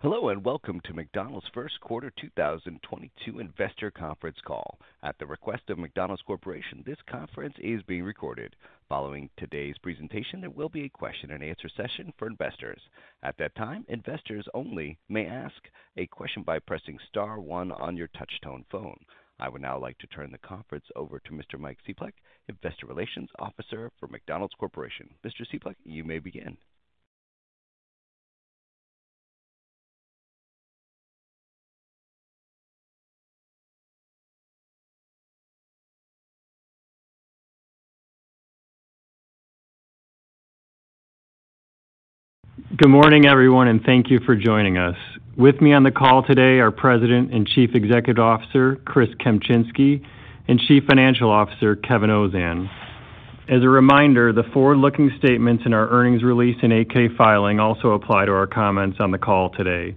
Hello, and welcome to McDonald's first quarter 2022 investor conference call. At the request of McDonald's Corporation, this conference is being recorded. Following today's presentation, there will be a question-and-answer session for investors. At that time, investors only may ask a question by pressing star one on your touchtone phone. I would now like to turn the conference over to Mr. Mike Cieplak, Investor Relations Officer for McDonald's Corporation. Mr. Cieplak, you may begin. Good morning, everyone, and thank you for joining us. With me on the call today are President and Chief Executive Officer, Chris Kempczinski, and Chief Financial Officer, Kevin Ozan. As a reminder, the forward-looking statements in our earnings release and 8-K filing also apply to our comments on the call today.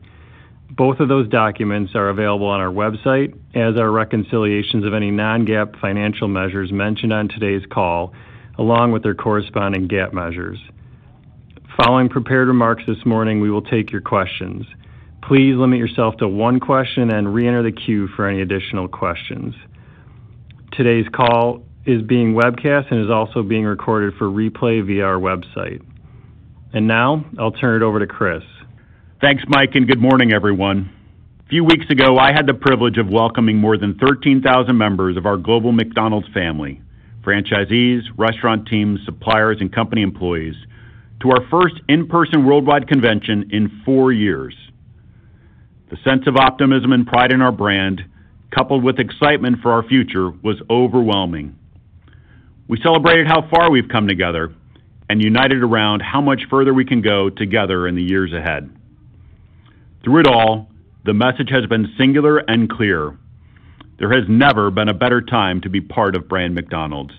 Both of those documents are available on our website as are reconciliations of any non-GAAP financial measures mentioned on today's call, along with their corresponding GAAP measures. Following prepared remarks this morning, we will take your questions. Please limit yourself to one question and reenter the queue for any additional questions. Today's call is being webcast and is also being recorded for replay via our website. Now I'll turn it over to Chris. Thanks, Mike, and good morning, everyone. A few weeks ago, I had the privilege of welcoming more than 13,000 members of our global McDonald's family, franchisees, restaurant teams, suppliers, and company employees to our first in-person worldwide convention in four years. The sense of optimism and pride in our brand, coupled with excitement for our future, was overwhelming. We celebrated how far we've come together and united around how much further we can go together in the years ahead. Through it all, the message has been singular and clear. There has never been a better time to be part of brand McDonald's.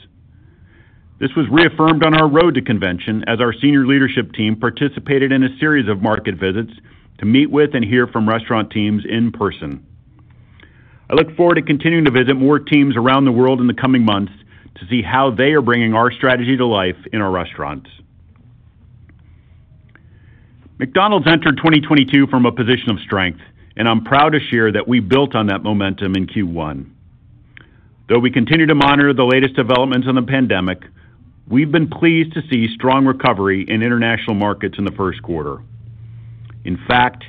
This was reaffirmed on our road to convention as our senior leadership team participated in a series of market visits to meet with and hear from restaurant teams in person. I look forward to continuing to visit more teams around the world in the coming months to see how they are bringing our strategy to life in our restaurants. McDonald's entered 2022 from a position of strength, and I'm proud to share that we built on that momentum in Q1. Though we continue to monitor the latest developments in the pandemic, we've been pleased to see strong recovery in international markets in the first quarter. In fact,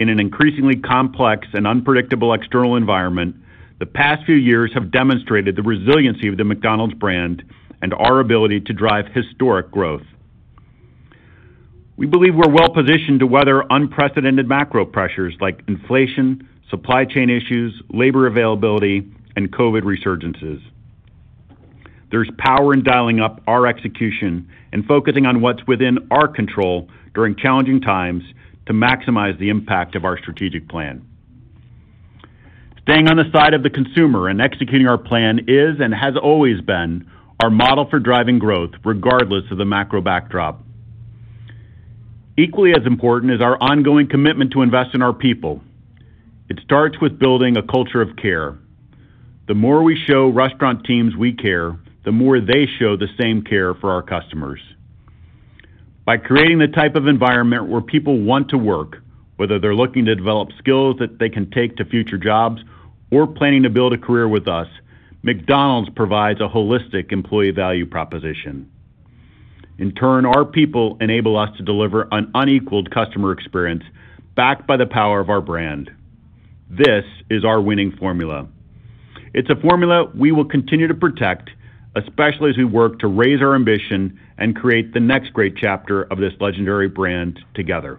in an increasingly complex and unpredictable external environment, the past few years have demonstrated the resiliency of the McDonald's brand and our ability to drive historic growth. We believe we're well positioned to weather unprecedented macro pressures like inflation, supply chain issues, labor availability, and COVID resurgences. There's power in dialing up our execution and focusing on what's within our control during challenging times to maximize the impact of our strategic plan. Staying on the side of the consumer and executing our plan is, and has always been, our model for driving growth regardless of the macro backdrop. Equally as important is our ongoing commitment to invest in our people. It starts with building a culture of care. The more we show restaurant teams we care, the more they show the same care for our customers. By creating the type of environment where people want to work, whether they're looking to develop skills that they can take to future jobs or planning to build a career with us, McDonald's provides a holistic employee value proposition. In turn, our people enable us to deliver an unequaled customer experience backed by the power of our brand. This is our winning formula. It's a formula we will continue to protect, especially as we work to raise our ambition and create the next great chapter of this legendary brand together.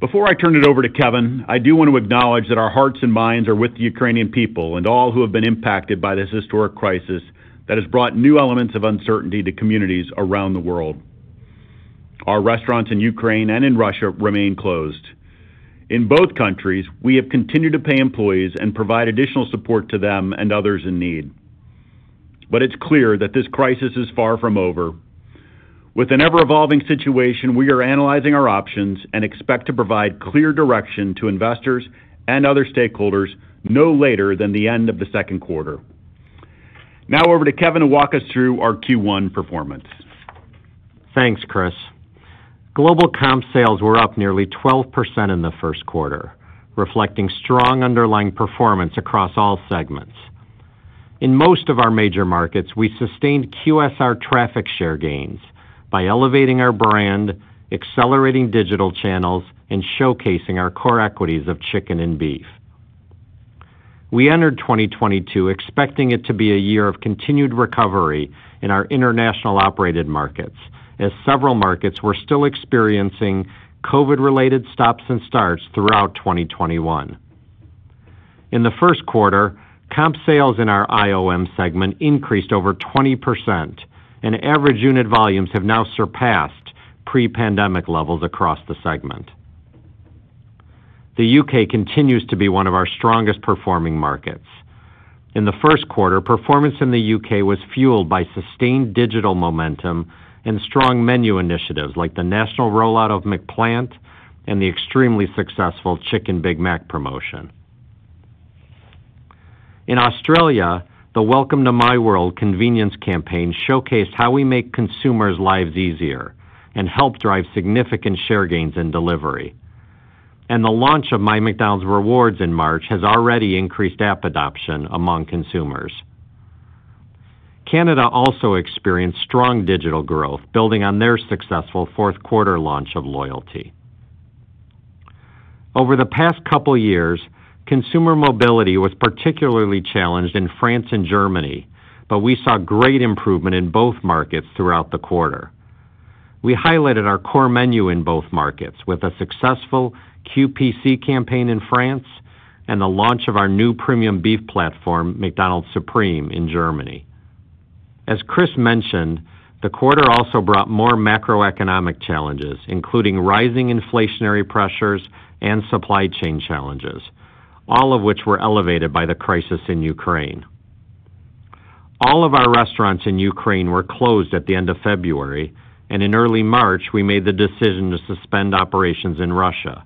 Before I turn it over to Kevin, I do want to acknowledge that our hearts and minds are with the Ukrainian people and all who have been impacted by this historic crisis that has brought new elements of uncertainty to communities around the world. Our restaurants in Ukraine and in Russia remain closed. In both countries, we have continued to pay employees and provide additional support to them and others in need. But it's clear that this crisis is far from over. With an ever-evolving situation, we are analyzing our options and expect to provide clear direction to investors and other stakeholders no later than the end of the second quarter. Now over to Kevin to walk us through our Q1 performance. Thanks, Chris. Global comp sales were up nearly 12% in the first quarter, reflecting strong underlying performance across all segments. In most of our major markets, we sustained QSR traffic share gains by elevating our brand, accelerating digital channels, and showcasing our core equities of chicken and beef. We entered 2022 expecting it to be a year of continued recovery in our international operated markets as several markets were still experiencing COVID-related stops and starts throughout 2021. In the first quarter, comp sales in our IOM segment increased over 20%, and average unit volumes have now surpassed pre-pandemic levels across the segment. The U.K. continues to be one of our strongest performing markets. In the first quarter, performance in the U.K. was fueled by sustained digital momentum and strong menu initiatives like the national rollout of McPlant and the extremely successful Chicken Big Mac promotion. In Australia, the Welcome to My World convenience campaign showcased how we make consumers' lives easier and helped drive significant share gains in delivery. The launch of My McDonald's Rewards in March has already increased app adoption among consumers. Canada also experienced strong digital growth, building on their successful fourth quarter launch of loyalty. Over the past couple years, consumer mobility was particularly challenged in France and Germany. But we saw great improvement in both markets throughout the quarter. We highlighted our core menu in both markets with a successful QPC campaign in France and the launch of our new premium beef platform, McDonald's Supreme, in Germany. As Chris mentioned, the quarter also brought more macroeconomic challenges, including rising inflationary pressures and supply chain challenges, all of which were elevated by the crisis in Ukraine. All of our restaurants in Ukraine were closed at the end of February, and in early March, we made the decision to suspend operations in Russia.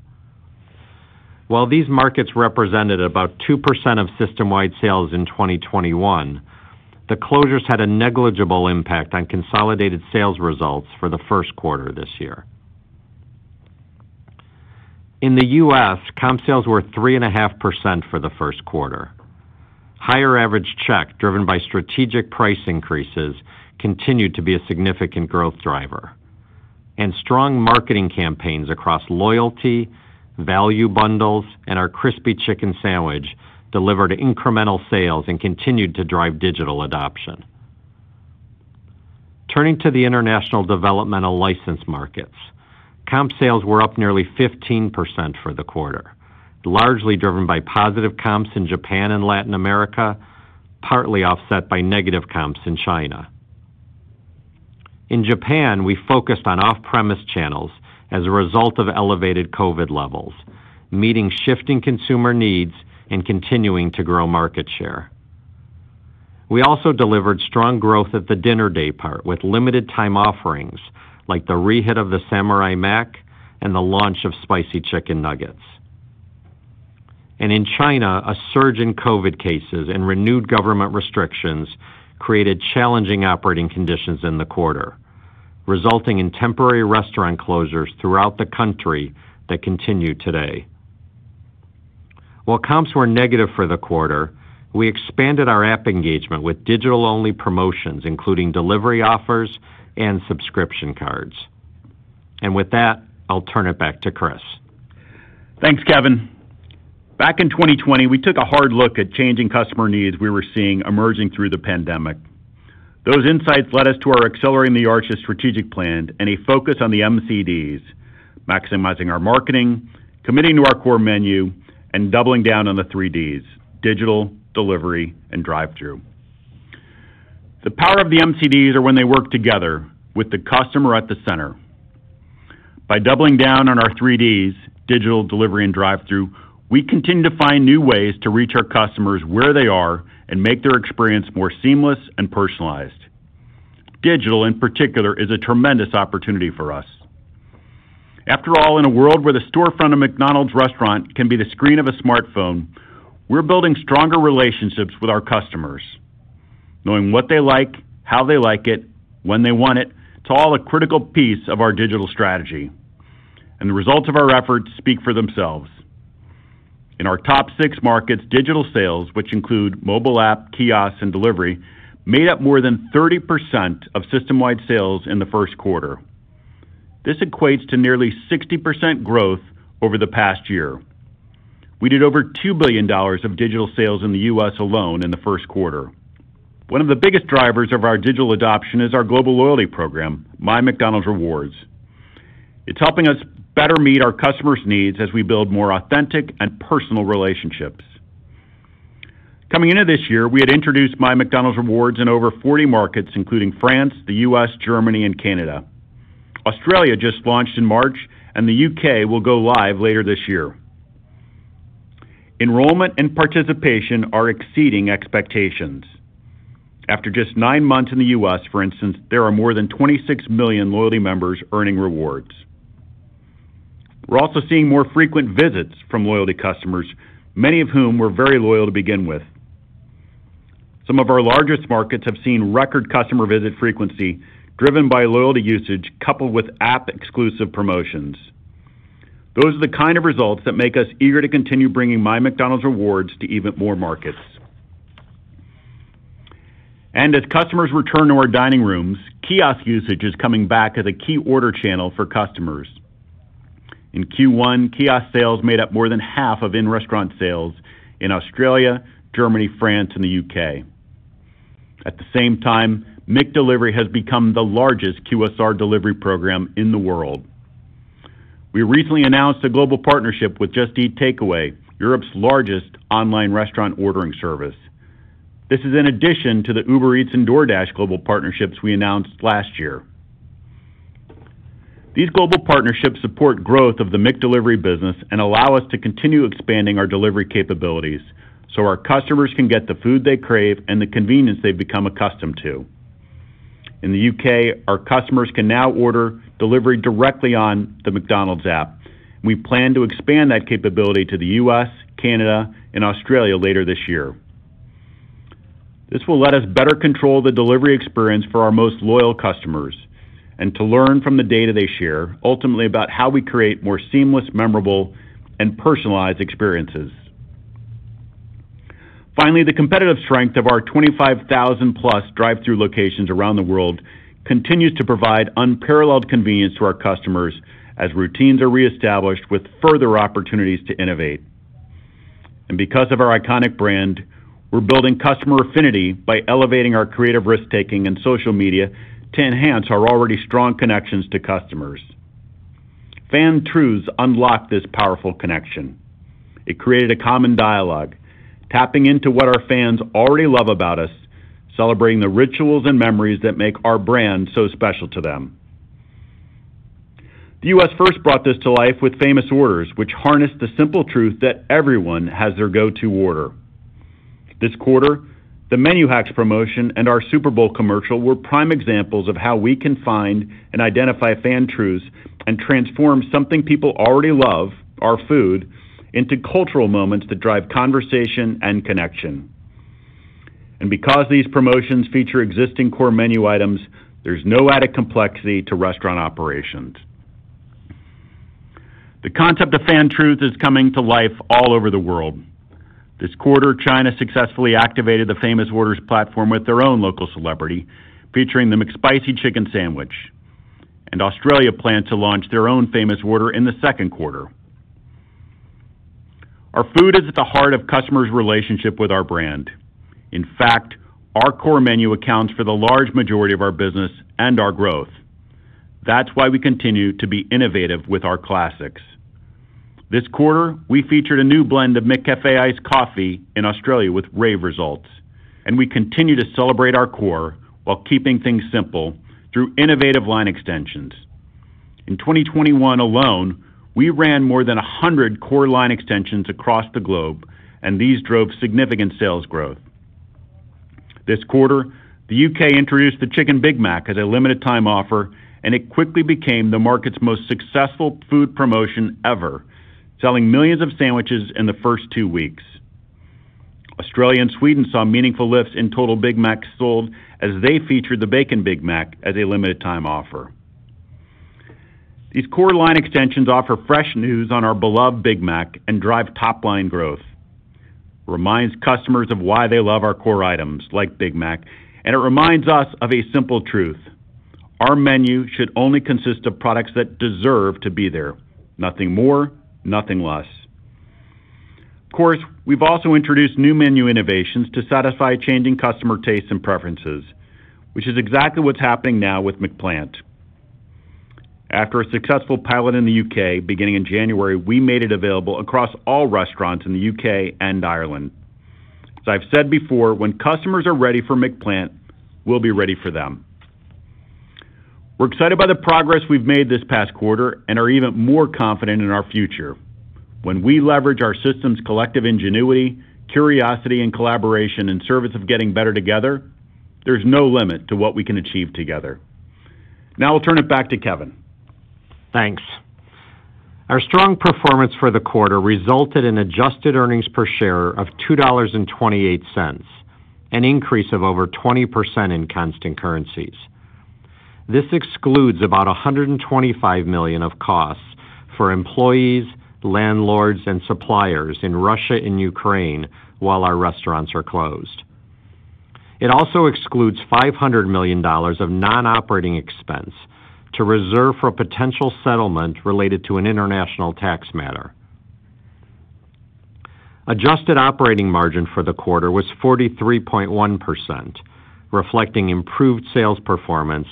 While these markets represented about 2% of system-wide sales in 2021, the closures had a negligible impact on consolidated sales results for the first quarter this year. In the U.S., comp sales were 3.5% for the first quarter. Higher average check driven by strategic price increases continued to be a significant growth driver. Strong marketing campaigns across loyalty, value bundles, and our Crispy Chicken Sandwich delivered incremental sales and continued to drive digital adoption. Turning to the international developmental license markets, comp sales were up nearly 15% for the quarter, largely driven by positive comps in Japan and Latin America, partly offset by negative comps in China. In Japan, we focused on off-premise channels as a result of elevated COVID levels, meeting shifting consumer needs and continuing to grow market share. We also delivered strong growth at the dinner daypart with limited time offerings like the re-hit of the Samurai Mac and the launch of Spicy Chicken McNuggets. In China, a surge in COVID cases and renewed government restrictions created challenging operating conditions in the quarter. Resulting in temporary restaurant closures throughout the country that continue today. While comps were negative for the quarter, we expanded our app engagement with digital-only promotions, including delivery offers and subscription cards. With that, I'll turn it back to Chris. Thanks, Kevin. Back in 2020, we took a hard look at changing customer needs we were seeing emerging through the pandemic. Those insights led us to our Accelerating the Arches strategic plan and a focus on the MCD, maximizing our marketing, committing to our core menu, and doubling down on the three Ds, digital, delivery, and drive-thru. The power of the MCD are when they work together with the customer at the center. By doubling down on our three Ds, digital, delivery, and drive-thru, we continue to find new ways to reach our customers where they are and make their experience more seamless and personalized. Digital, in particular, is a tremendous opportunity for us. After all, in a world where the storefront of McDonald's restaurant can be the screen of a smartphone, we're building stronger relationships with our customers. Knowing what they like, how they like it, when they want it's all a critical piece of our digital strategy. The results of our efforts speak for themselves. In our top six markets, digital sales, which include mobile app, kiosk, and delivery, made up more than 30% of system-wide sales in the first quarter. This equates to nearly 60% growth over the past year. We did over $2 billion of digital sales in the US alone in the first quarter. One of the biggest drivers of our digital adoption is our global loyalty program, My McDonald's Rewards. It's helping us better meet our customers' needs as we build more authentic and personal relationships. Coming into this year, we had introduced My McDonald's Rewards in over 40 markets, including France, the U.S., Germany, and Canada. Australia just launched in March, and the U.K. will go live later this year. Enrollment and participation are exceeding expectations. After just nine months in the U.S., for instance, there are more than 26 million loyalty members earning rewards. We're also seeing more frequent visits from loyalty customers, many of whom were very loyal to begin with. Some of our largest markets have seen record customer visit frequency driven by loyalty usage coupled with app-exclusive promotions. Those are the kind of results that make us eager to continue bringing My McDonald's Rewards to even more markets. As customers return to our dining rooms, kiosk usage is coming back as a key order channel for customers. In Q1, kiosk sales made up more than half of in-restaurant sales in Australia, Germany, France, and the U.K. At the same time, McDelivery has become the largest QSR delivery program in the world. We recently announced a global partnership with Just Eat Takeaway.com, Europe's largest online restaurant ordering service. This is in addition to the Uber Eats and DoorDash global partnerships we announced last year. These global partnerships support growth of the McDelivery business and allow us to continue expanding our delivery capabilities so our customers can get the food they crave and the convenience they've become accustomed to. In the U.K., our customers can now order delivery directly on the McDonald's app. We plan to expand that capability to the U.S., Canada, and Australia later this year. This will let us better control the delivery experience for our most loyal customers and to learn from the data they share, ultimately about how we create more seamless, memorable, and personalized experiences. Finally, the competitive strength of our 25,000+ drive-thru locations around the world continues to provide unparalleled convenience to our customers as routines are reestablished with further opportunities to innovate. Because of our iconic brand, we're building customer affinity by elevating our creative risk-taking in social media to enhance our already strong connections to customers. Fan truths unlock this powerful connection. It created a common dialogue, tapping into what our fans already love about us, celebrating the rituals and memories that make our brand so special to them. The U.S. first brought this to life with Famous Orders, which harnessed the simple truth that everyone has their go-to order. This quarter, the Menu Hacks promotion and our Super Bowl commercial were prime examples of how we can find and identify fan truths and transform something people already love, our food, into cultural moments that drive conversation and connection. Because these promotions feature existing core menu items, there's no added complexity to restaurant operations. The concept of fan truth is coming to life all over the world. This quarter, China successfully activated the Famous Orders platform with their own local celebrity, featuring the McSpicy chicken sandwich, and Australia planned to launch their own Famous Order in the second quarter. Our food is at the heart of customers' relationship with our brand. In fact, our core menu accounts for the large majority of our business and our growth. That's why we continue to be innovative with our classics. This quarter, we featured a new blend of McCafé Iced Coffee in Australia with rave results, and we continue to celebrate our core while keeping things simple through innovative line extensions. In 2021 alone, we ran more than 100 core line extensions across the globe, and these drove significant sales growth. This quarter, the U.K. introduced the Chicken Big Mac as a limited time offer, and it quickly became the market's most successful food promotion ever, selling millions of sandwiches in the first two weeks. Australia and Sweden saw meaningful lifts in total Big Macs sold as they featured the Bacon Big Mac as a limited time offer. These core line extensions offer fresh news on our beloved Big Mac and drive top-line growth. Reminds customers of why they love our core items like Big Mac, and it reminds us of a simple truth. Our menu should only consist of products that deserve to be there. Nothing more, nothing less. Of course, we've also introduced new menu innovations to satisfy changing customer tastes and preferences, which is exactly what's happening now with McPlant. After a successful pilot in the U.K., beginning in January, we made it available across all restaurants in the U.K. and Ireland. As I've said before, when customers are ready for McPlant, we'll be ready for them. We're excited by the progress we've made this past quarter and are even more confident in our future. When we leverage our system's collective ingenuity, curiosity, and collaboration in service of getting better together, there's no limit to what we can achieve together. Now I'll turn it back to Kevin. Thanks. Our strong performance for the quarter resulted in adjusted earnings per share of $2.28, an increase of over 20% in constant currencies. This excludes about $125 million of costs for employees, landlords, and suppliers in Russia and Ukraine while our restaurants are closed. It also excludes $500 million of non-operating expense to reserve for potential settlement related to an international tax matter. Adjusted operating margin for the quarter was 43.1%, reflecting improved sales performance,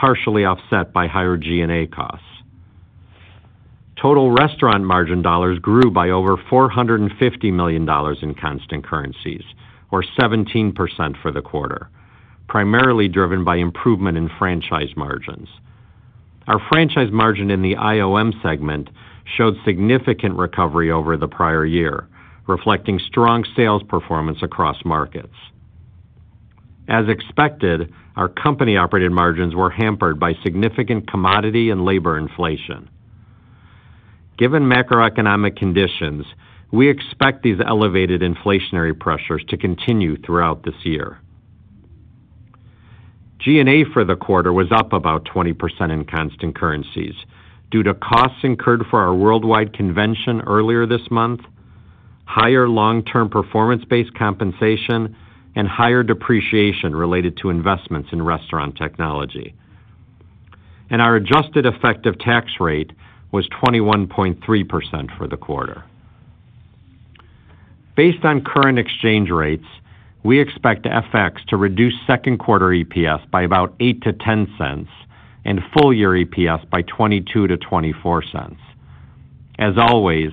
partially offset by higher G&A costs. Total restaurant margin dollars grew by over $450 million in constant currencies, or 17% for the quarter, primarily driven by improvement in franchise margins. Our franchise margin in the IOM segment showed significant recovery over the prior year, reflecting strong sales performance across markets. As expected, our company-operated margins were hampered by significant commodity and labor inflation. Given macroeconomic conditions, we expect these elevated inflationary pressures to continue throughout this year. G&A for the quarter was up about 20% in constant currencies due to costs incurred for our worldwide convention earlier this month, higher long-term performance-based compensation, and higher depreciation related to investments in restaurant technology. Our adjusted effective tax rate was 21.3% for the quarter. Based on current exchange rates, we expect FX to reduce second quarter EPS by about $0.08-$0.10 and full year EPS by $0.22-$0.24. As always,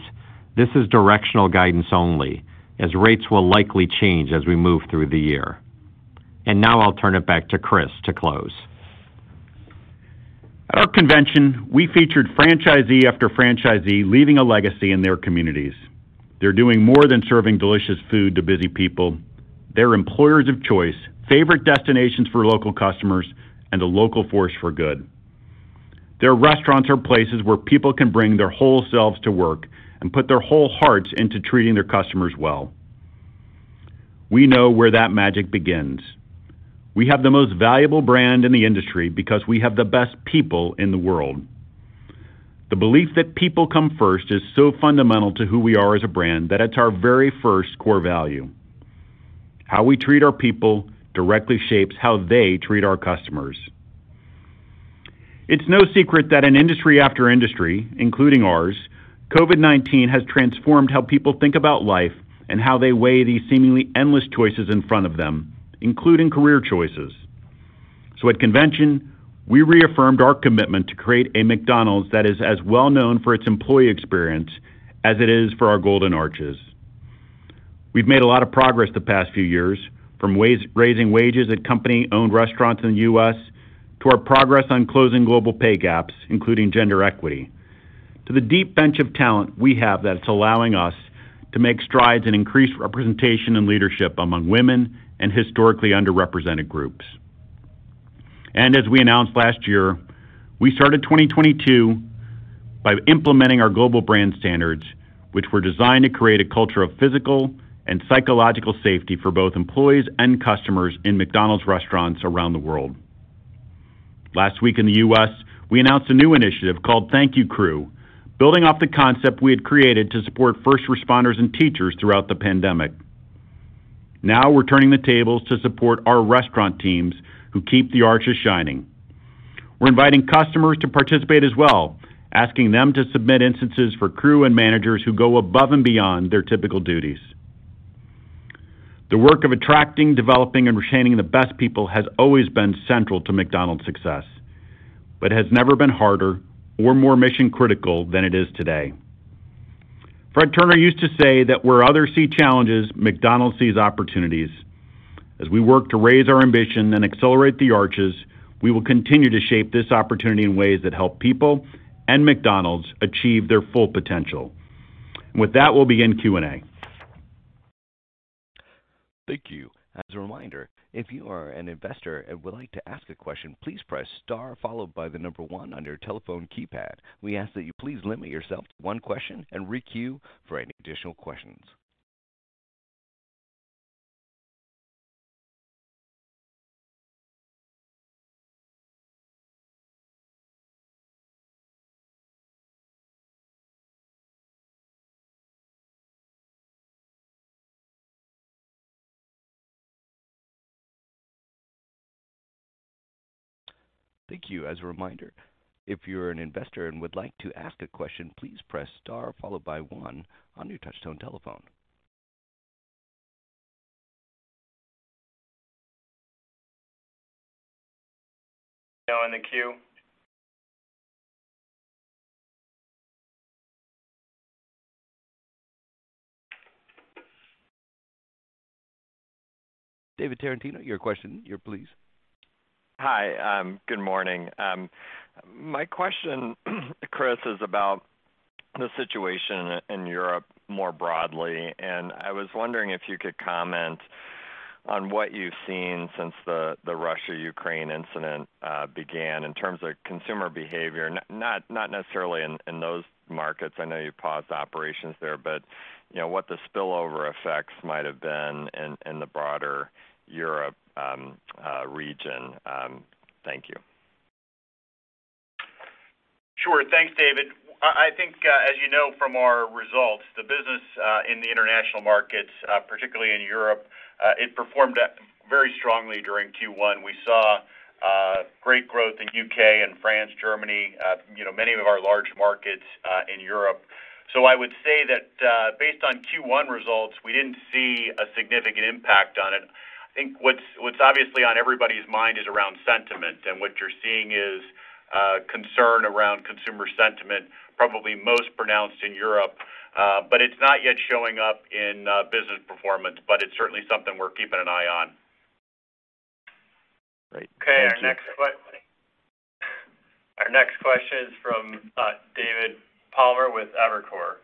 this is directional guidance only as rates will likely change as we move through the year. Now I'll turn it back to Chris to close. At our convention, we featured franchisee after franchisee leaving a legacy in their communities. They're doing more than serving delicious food to busy people. They're employers of choice, favorite destinations for local customers, and a local force for good. Their restaurants are places where people can bring their whole selves to work and put their whole hearts into treating their customers well. We know where that magic begins. We have the most valuable brand in the industry because we have the best people in the world. The belief that people come first is so fundamental to who we are as a brand that it's our very first core value. How we treat our people directly shapes how they treat our customers. It's no secret that in industry after industry, including ours, COVID-19 has transformed how people think about life and how they weigh these seemingly endless choices in front of them, including career choices. At convention, we reaffirmed our commitment to create a McDonald's that is as well known for its employee experience as it is for our golden arches. We've made a lot of progress the past few years, from raising wages at company-owned restaurants in the U.S., to our progress on closing global pay gaps, including gender equity, to the deep bench of talent we have that's allowing us to make strides and increase representation and leadership among women and historically underrepresented groups. We announced last year, we started 2022 by implementing our global brand standards, which were designed to create a culture of physical and psychological safety for both employees and customers in McDonald's restaurants around the world. Last week in the U.S., we announced a new initiative called Thank You Crew, building off the concept we had created to support first responders and teachers throughout the pandemic. Now we're turning the tables to support our restaurant teams who keep the arches shining. We're inviting customers to participate as well, asking them to submit instances for crew and managers who go above and beyond their typical duties. The work of attracting, developing, and retaining the best people has always been central to McDonald's success, but has never been harder or more mission-critical than it is today. Fred Turner used to say that where others see challenges, McDonald's sees opportunities. As we work to raise our ambition and accelerate the arches, we will continue to shape this opportunity in ways that help people and McDonald's achieve their full potential. With that, we'll begin Q&A. Thank you. As a reminder, if you are an investor and would like to ask a question, please press star followed by the number one on your telephone keypad. We ask that you please limit yourself to one question and re-queue for any additional questions. Thank you. As a reminder, if you're an investor and would like to ask a question, please press star followed by one on your touch-tone telephone. Now in the queue David Tarantino, your question please. Hi, good morning. My question, Chris, is about the situation in Europe more broadly. I was wondering if you could comment on what you've seen since the Russia-Ukraine incident began in terms of consumer behavior. Not necessarily in those markets. I know you paused operations there, but you know, what the spillover effects might have been in the broader Europe region. Thank you. Sure. Thanks, David. I think, as you know from our results, the business in the international markets, particularly in Europe, it performed very strongly during Q1. We saw great growth in U.K. and France, Germany, you know, many of our large markets in Europe. I would say that, based on Q1 results, we didn't see a significant impact on it. I think what's obviously on everybody's mind is around sentiment. What you're seeing is concern around consumer sentiment, probably most pronounced in Europe. It's not yet showing up in business performance, but it's certainly something we're keeping an eye on. Great. Thank you. Okay. Our next question is from David Palmer with Evercore.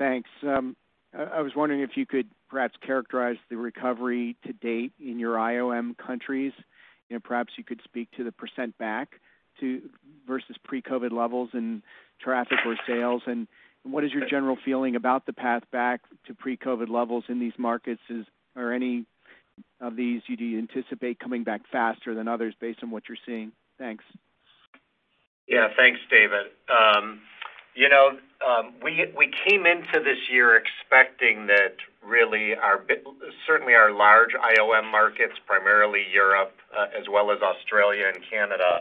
Thanks. I was wondering if you could perhaps characterize the recovery to date in your IOM countries, and perhaps you could speak to the percent back to versus pre-COVID levels in traffic or sales. What is your general feeling about the path back to pre-COVID levels in these markets? Are any of these you do anticipate coming back faster than others based on what you're seeing? Thanks. Yeah, thanks, David. You know, we came into this year expecting that really our certainly our large IOM markets, primarily Europe, as well as Australia and Canada,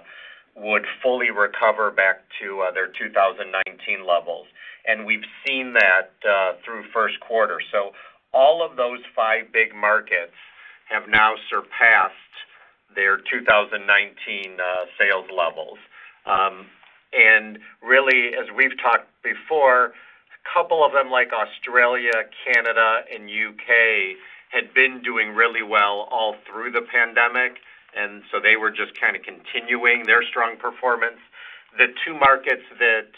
would fully recover back to their 2019 levels. We've seen that through first quarter. All of those five big markets have now surpassed their 2019 sales levels. Really, as we've talked before. A couple of them, like Australia, Canada, and U.K., had been doing really well all through the pandemic, and so they were just kind of continuing their strong performance. The two markets that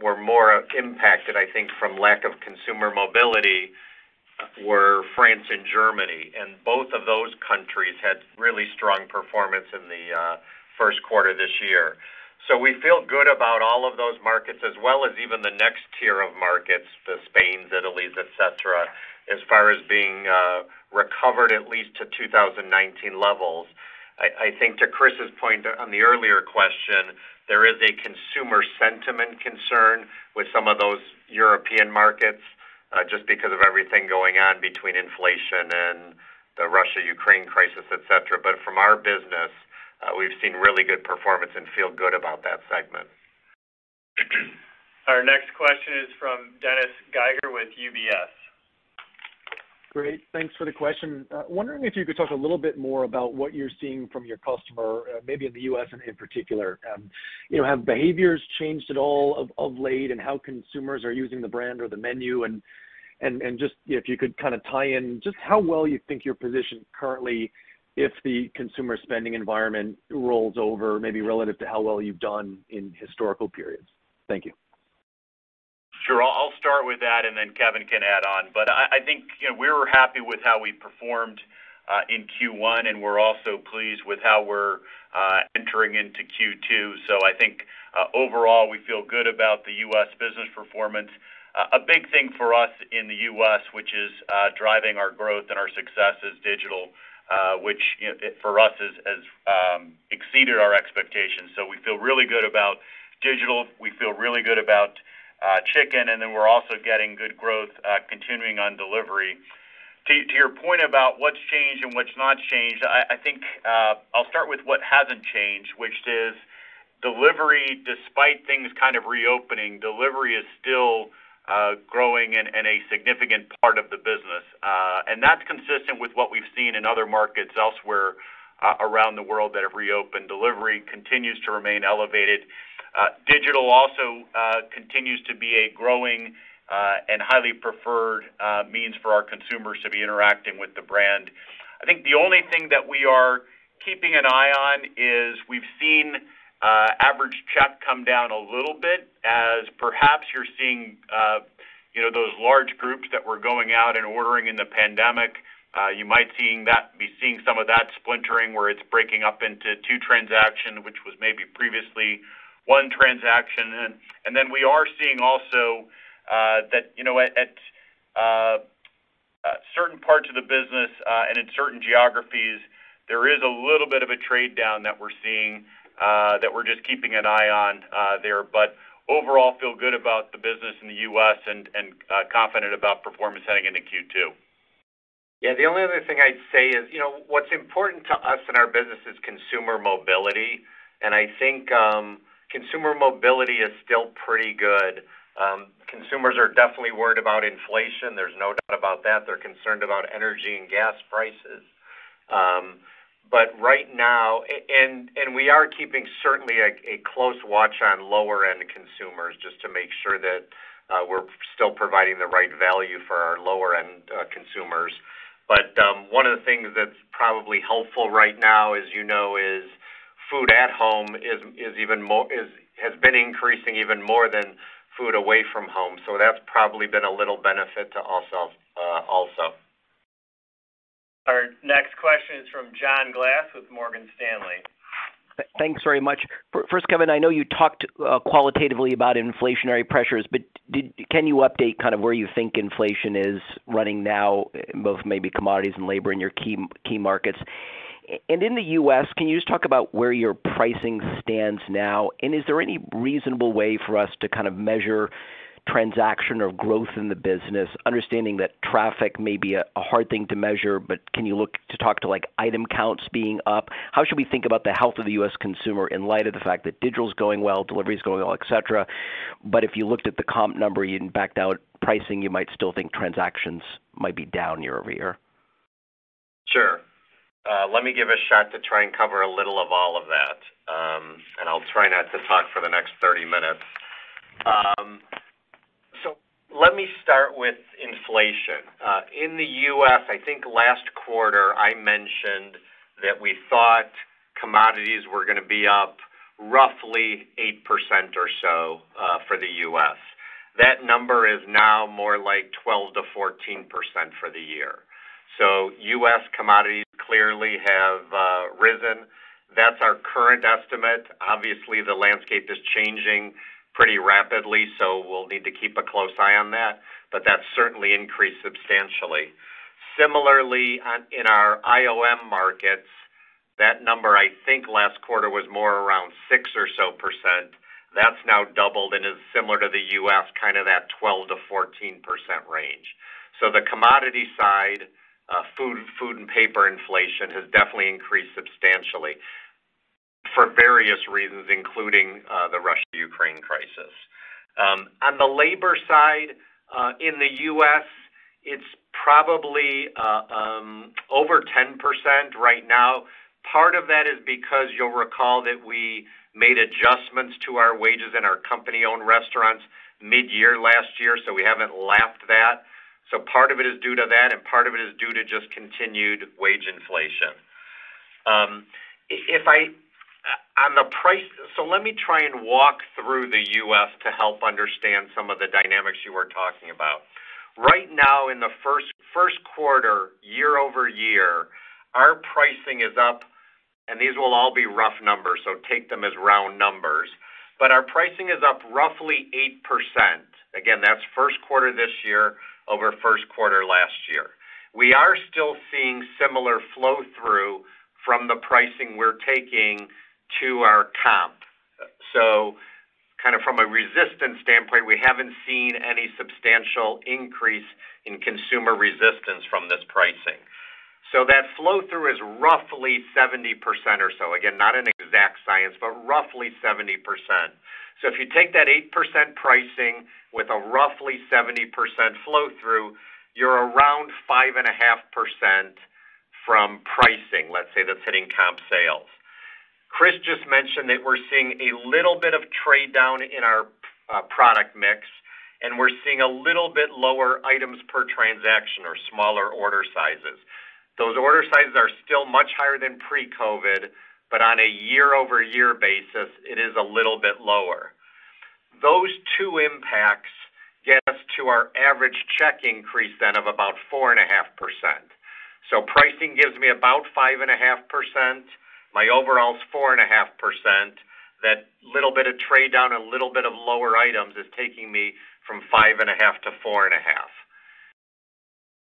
were more impacted, I think, from lack of consumer mobility were France and Germany, and both of those countries had really strong performance in the first quarter this year. We feel good about all of those markets, as well as even the next tier of markets, the Spain, Italy, et cetera, as far as being recovered at least to 2019 levels. I think to Chris' point on the earlier question, there is a consumer sentiment concern with some of those European markets, just because of everything going on between inflation and the Russia-Ukraine crisis, et cetera. From our business, we've seen really good performance and feel good about that segment. Our next question is from Dennis Geiger with UBS. Great. Thanks for the question. Wondering if you could talk a little bit more about what you're seeing from your customer, maybe in the U.S. in particular. You know, have behaviors changed at all of late in how consumers are using the brand or the menu? Just if you could kind of tie in just how well you think you're positioned currently if the consumer spending environment rolls over, maybe relative to how well you've done in historical periods. Thank you. Sure. I'll start with that, and then Kevin can add on. I think, you know, we're happy with how we performed in Q1, and we're also pleased with how we're entering into Q2. I think overall, we feel good about the U.S. business performance. A big thing for us in the U.S. which is driving our growth and our success is digital, which, you know, for us has exceeded our expectations. We feel really good about digital. We feel really good about chicken, and then we're also getting good growth continuing on delivery. To your point about what's changed and what's not changed, I think I'll start with what hasn't changed, which is delivery. Despite things kind of reopening, delivery is still growing and a significant part of the business. That's consistent with what we've seen in other markets elsewhere around the world that have reopened. Delivery continues to remain elevated. Digital also continues to be a growing and highly preferred means for our consumers to be interacting with the brand. I think the only thing that we are keeping an eye on is we've seen average check come down a little bit, as perhaps you're seeing, you know, those large groups that were going out and ordering in the pandemic. You might be seeing some of that splintering, where it's breaking up into two transactions, which was maybe previously one transaction. We are seeing also that, you know, at certain parts of the business and in certain geographies, there is a little bit of a trade-down that we're seeing that we're just keeping an eye on there. Overall, feel good about the business in the U.S. and confident about performance heading into Q2. Yeah. The only other thing I'd say is, you know, what's important to us in our business is consumer mobility, and I think consumer mobility is still pretty good. Consumers are definitely worried about inflation. There's no doubt about that. They're concerned about energy and gas prices. Right now we are keeping certainly a close watch on lower-end consumers just to make sure that we're still providing the right value for our lower-end consumers. One of the things that's probably helpful right now, as you know, is food at home has been increasing even more than food away from home. That's probably been a little benefit too, also. Our next question is from John Glass with Morgan Stanley. Thanks very much. First, Kevin, I know you talked qualitatively about inflationary pressures, but can you update kind of where you think inflation is running now, both maybe commodities and labor in your key markets? And in the U.S., can you just talk about where your pricing stands now? Is there any reasonable way for us to kind of measure transaction or growth in the business, understanding that traffic may be a hard thing to measure, but can you talk about, like, item counts being up? How should we think about the health of the US consumer in light of the fact that digital's going well, delivery is going well, etc., but if you looked at the comp number and backed out pricing, you might still think transactions might be down year-over-year? Sure. Let me give a shot to try and cover a little of all of that. I'll try not to talk for the next 30 minutes. Let me start with inflation. In the U.S., I think last quarter I mentioned that we thought commodities were gonna be up roughly 8% or so, for the U.S. That number is now more like 12%-14% for the year. U.S. commodities clearly have risen. That's our current estimate. Obviously, the landscape is changing pretty rapidly, so we'll need to keep a close eye on that. But that's certainly increased substantially. Similarly, in our IOM markets, that number, I think, last quarter was more around 6% or so. That's now doubled and is similar to the U.S., kind of that 12%-14% range. The commodity side, food and paper inflation has definitely increased substantially for various reasons, including the Russia-Ukraine crisis. On the labor side, in the U.S. It's probably over 10% right now. Part of that is because you'll recall that we made adjustments to our wages in our company-owned restaurants mid-year last year, so we haven't lapped that. Part of it is due to that, and part of it is due to just continued wage inflation. Let me try and walk through the U.S. to help understand some of the dynamics you were talking about. Right now, in the first quarter, year-over-year, our pricing is up, and these will all be rough numbers, so take them as round numbers. Our pricing is up roughly 8%. Again, that's first quarter this year over first quarter last year. We are still seeing similar flow-through from the pricing we're taking to our comp. Kind of from a resistance standpoint, we haven't seen any substantial increase in consumer resistance from this pricing. That flow-through is roughly 70% or so. Again, not an exact science, but roughly 70%. If you take that 8% pricing with a roughly 70% flow-through, you're around 5.5% from pricing, let's say, that's hitting comp sales. Chris just mentioned that we're seeing a little bit of trade down in our product mix, and we're seeing a little bit lower items per transaction or smaller order sizes. Those order sizes are still much higher than pre-COVID, but on a year-over-year basis, it is a little bit lower. Those two impacts get us to our average check increase then of about 4.5%. Pricing gives me about 5.5%. My overall is 4.5%. That little bit of trade down, a little bit of lower items is taking me from 5.5 to 4.5.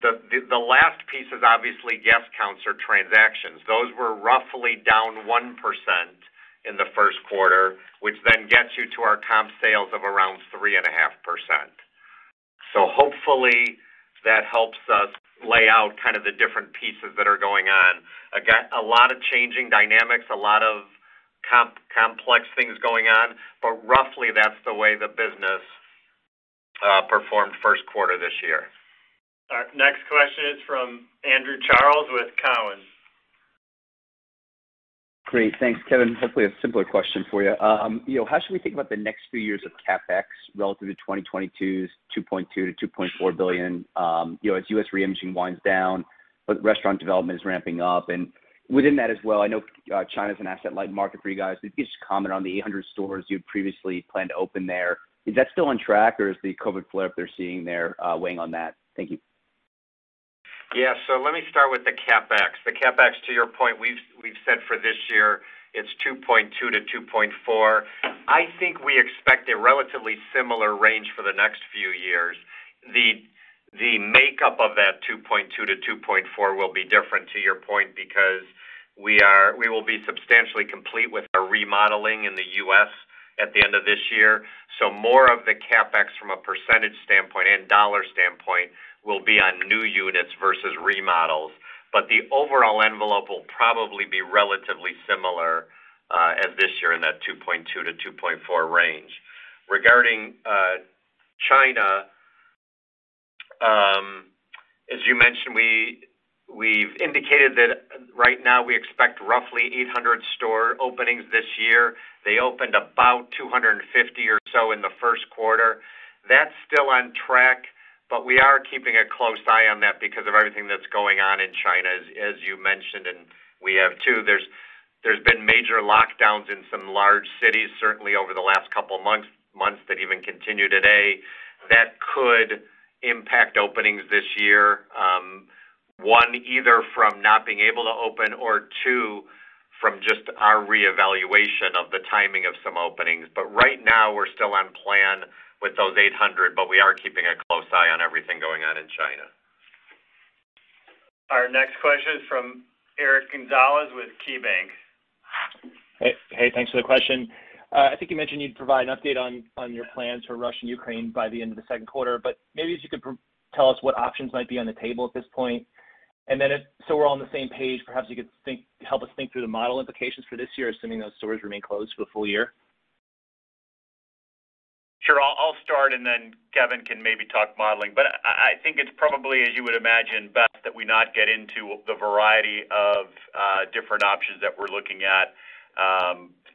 The last piece is obviously guest counts or transactions. Those were roughly down 1% in the first quarter, which then gets you to our comp sales of around 3.5%. Hopefully that helps us lay out kind of the different pieces that are going on. Again, a lot of changing dynamics, a lot of complex things going on, but roughly that's the way the business performed first quarter this year. Our next question is from Andrew Charles with Cowen. Great. Thanks, Kevin. Hopefully a simpler question for you. You know, how should we think about the next few years of CapEx relative to 2022's $2.2 billion-$2.4 billion, you know, as U.S. reimaging winds down, but restaurant development is ramping up? And within that as well, I know, China's an asset light market for you guys. If you could just comment on the 800 stores you previously planned to open there. Is that still on track, or is the COVID flare-up they're seeing there, weighing on that? Thank you. Yeah. Let me start with the CapEx. The CapEx, to your point, we've said for this year it's $2.2 billion-$2.4 billion. I think we expect a relatively similar range for the next few years. The makeup of that 2.2-2.4 will be different to your point because we will be substantially complete with our remodeling in the U.S. at the end of this year. More of the CapEx from a percentage standpoint and dollar standpoint will be on new units versus remodels. The overall envelope will probably be relatively similar as this year in that 2.2-2.4 range. Regarding China, as you mentioned, we've indicated that right now we expect roughly 800 store openings this year. They opened about 250 or so in the first quarter. That's still on track, but we are keeping a close eye on that because of everything that's going on in China, as you mentioned, and we have too. There's been major lockdowns in some large cities, certainly over the last couple of months that even continue today. That could impact openings this year, one, either from not being able to open or two, from just our reevaluation of the timing of some openings. Right now we're still on plan with those 800, but we are keeping a close eye on everything going on in China. Our next question is from Eric Gonzalez with KeyBanc. Hey, hey. Thanks for the question. I think you mentioned you'd provide an update on your plans for Russia and Ukraine by the end of the second quarter, but maybe if you could tell us what options might be on the table at this point. We're all on the same page, perhaps you could help us think through the model implications for this year, assuming those stores remain closed for the full year. Sure. I'll start and then Kevin can maybe talk modeling. I think it's probably, as you would imagine, best that we not get into the variety of different options that we're looking at,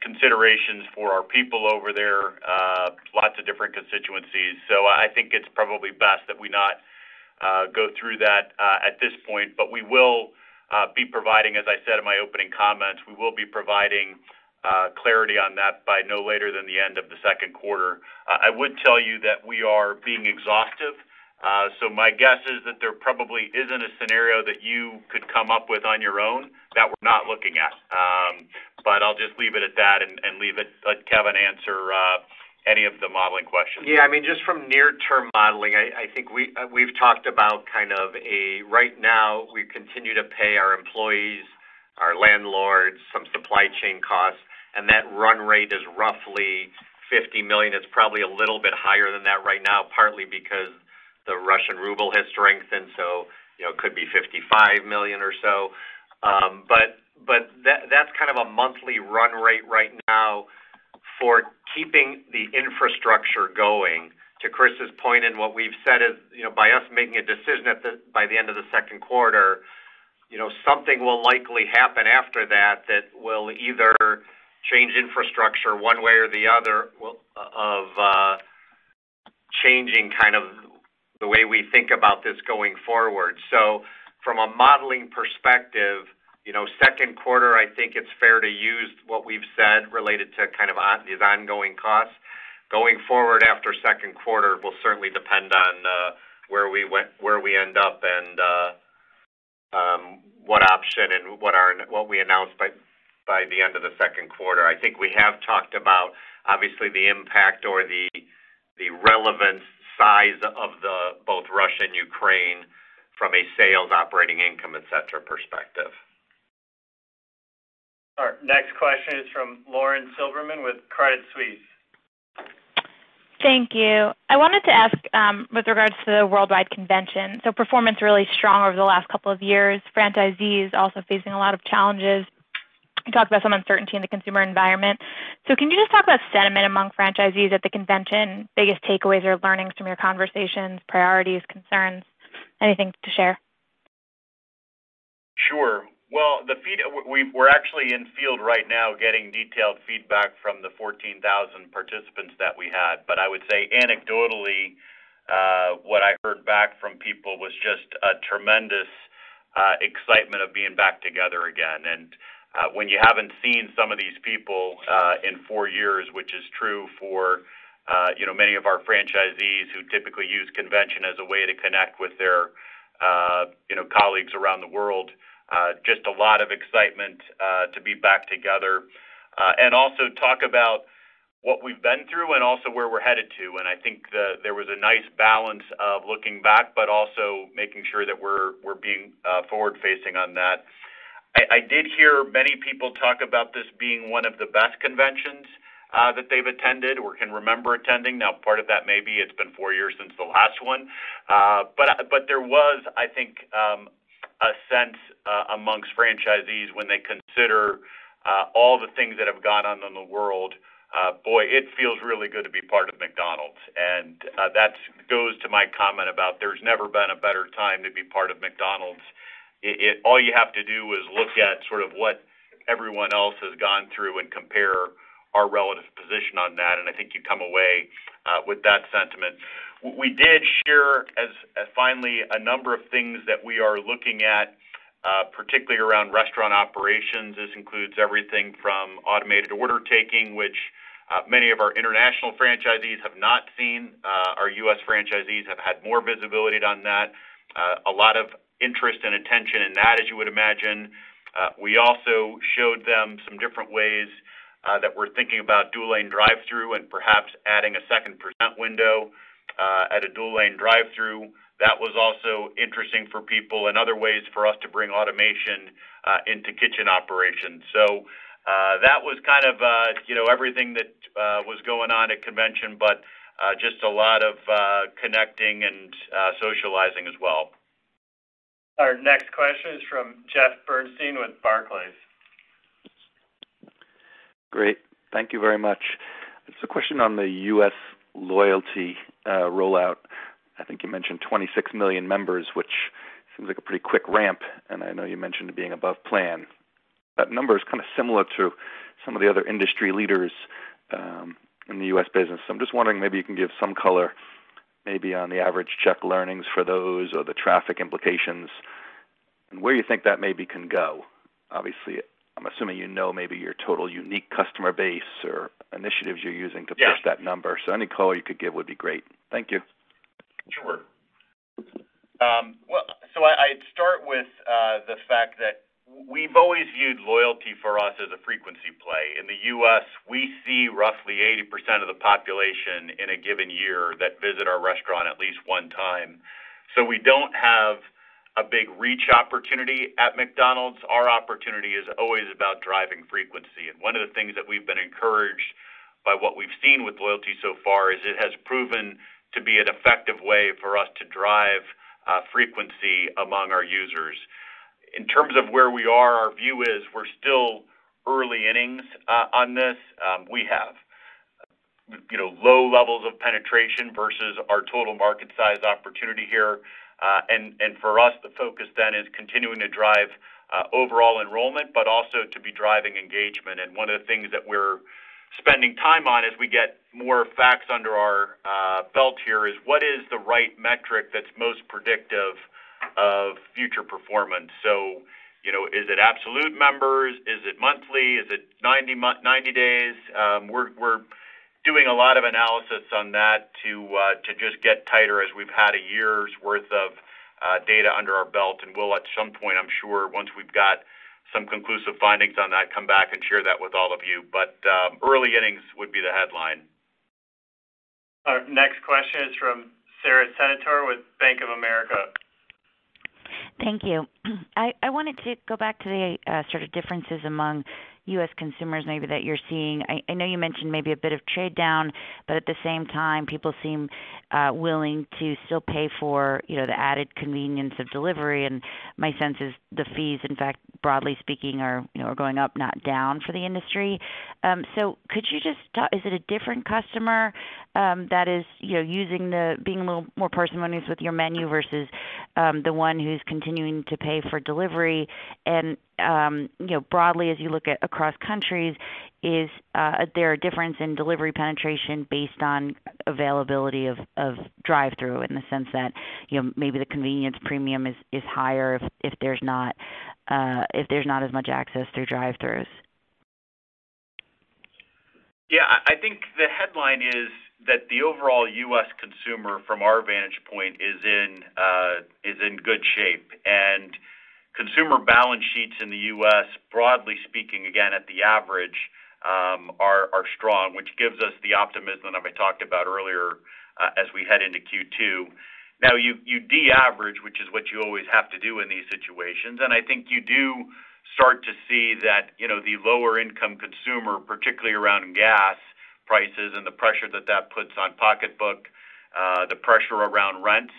considerations for our people over there, lots of different constituencies. I think it's probably best that we not go through that at this point, but we will be providing clarity on that, as I said in my opening comments, by no later than the end of the second quarter. I would tell you that we are being exhaustive. My guess is that there probably isn't a scenario that you could come up with on your own that we're not looking at. I'll just leave it at that and leave it. Let Kevin answer any of the modeling questions. Yeah. I mean, just from near-term modeling, I think we've talked about kind of, right now we continue to pay our employees, our landlords, some supply chain costs, and that run rate is roughly $50 million. It's probably a little bit higher than that right now, partly because the Russian ruble has strengthened, so, you know, it could be $55 million or so. But that's kind of a monthly run rate right now. For keeping the infrastructure going, to Chris's point, and what we've said is, you know, by us making a decision by the end of the second quarter, you know, something will likely happen after that that will either change infrastructure one way or the other of changing kind of the way we think about this going forward. From a modeling perspective, you know, second quarter, I think it's fair to use what we've said related to kind of these ongoing costs. Going forward after second quarter will certainly depend on where we end up and what we announced by the end of the second quarter. I think we have talked about, obviously, the impact or the relevant size of both Russia and Ukraine from a sales, operating income, et cetera, perspective. Our next question is from Lauren Silberman with Credit Suisse. Thank you. I wanted to ask, with regards to the worldwide convention. Performance really strong over the last couple of years. Franchisees also facing a lot of challenges. You talked about some uncertainty in the consumer environment. Can you just talk about sentiment among franchisees at the convention, biggest takeaways or learnings from your conversations, priorities, concerns? Anything to share? Sure. Well, we're actually in field right now getting detailed feedback from the 14,000 participants that we had. I would say anecdotally, what I heard back from people was just a tremendous excitement of being back together again. When you haven't seen some of these people in four years, which is true for you know, many of our franchisees who typically use convention as a way to connect with their you know, colleagues around the world, just a lot of excitement to be back together and also talk about what we've been through and also where we're headed to. I think there was a nice balance of looking back, but also making sure that we're being forward-facing on that. I did hear many people talk about this being one of the best conventions that they've attended or can remember attending. Now, part of that may be it's been four years since the last one. There was, I think, a sense among franchisees when they consider all the things that have gone on in the world. Boy, it feels really good to be part of McDonald's. That goes to my comment about there's never been a better time to be part of McDonald's. It's all you have to do is look at sort of what everyone else has gone through and compare our relative position on that, and I think you come away with that sentiment. We did share a number of things that we are looking at, particularly around restaurant operations. This includes everything from automated order taking, which many of our international franchisees have not seen. Our U.S. franchisees have had more visibility on that. A lot of interest and attention in that, as you would imagine. We also showed them some different ways that we're thinking about dual lane drive-thru and perhaps adding a second present window at a dual lane drive-thru. That was also interesting for people and other ways for us to bring automation into kitchen operations. That was kind of, you know, everything that was going on at convention, but just a lot of connecting and socializing as well. Our next question is from Jeffrey Bernstein with Barclays. Great. Thank you very much. It's a question on the U.S. loyalty rollout. I think you mentioned 26 million members, which seems like a pretty quick ramp, and I know you mentioned it being above plan. That number is kind of similar to some of the other industry leaders in the U.S. business. I'm just wondering maybe you can give some color maybe on the average check learnings for those or the traffic implications and where you think that maybe can go. Obviously, I'm assuming you know maybe your total unique customer base or initiatives you're using to push that number. Any color you could give would be great. Thank you. Sure. Well, I'd start with the fact that we've always viewed loyalty for us as a frequency play. In the U.S., we see roughly 80% of the population in a given year that visit our restaurant at least one time. We don't have a big reach opportunity at McDonald's. Our opportunity is always about driving frequency. One of the things that we've been encouraged by what we've seen with loyalty so far is it has proven to be an effective way for us to drive frequency among our users. In terms of where we are, our view is we're still early innings on this. We have, you know, low levels of penetration versus our total market size opportunity here. And for us, the focus then is continuing to drive overall enrollment, but also to be driving engagement. One of the things that we're spending time on as we get more facts under our belt here is what is the right metric that's most predictive of future performance. You know, is it absolute members? Is it monthly? Is it 90 days? We're doing a lot of analysis on that to just get tighter as we've had a year's worth of data under our belt. We'll, at some point, I'm sure once we've got some conclusive findings on that, come back and share that with all of you. Early innings would be the headline. Our next question is from Sara Senatore with Bank of America. Thank you. I wanted to go back to the sort of differences among U.S. consumers maybe that you're seeing. I know you mentioned maybe a bit of trade down, but at the same time, people seem willing to still pay for, you know, the added convenience of delivery. My sense is the fees, in fact, broadly speaking are, you know, are going up, not down for the industry. Could you just tell me, is it a different customer that is, you know, using the menu, being a little more parsimonious with your menu versus the one who's continuing to pay for delivery? Broadly, as you look at across countries, is there a difference in delivery penetration based on availability of drive-thru in the sense that, you know, maybe the convenience premium is higher if there's not as much access through drive-thrus? Yeah. I think the headline is that the overall U.S. consumer, from our vantage point, is in good shape. Consumer balance sheets in the U.S., broadly speaking, again, at the average, are strong, which gives us the optimism that I talked about earlier, as we head into Q2. Now, you de-average, which is what you always have to do in these situations. I think you do start to see that, you know, the lower income consumer, particularly around gas prices and the pressure that that puts on pocketbook, the pressure around rent,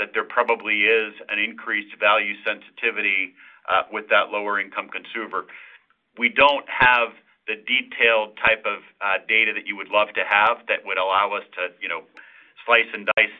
that there probably is an increased value sensitivity, with that lower income consumer. We don't have the detailed type of data that you would love to have that would allow us to, you know, slice and dice